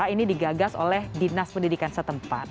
ini digagas oleh dinas pendidikan setempat